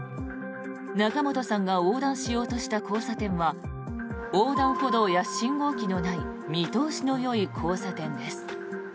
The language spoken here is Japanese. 仲本さんが横断しようとした交差点は横断歩道や信号機のない見通しのよい交差点です。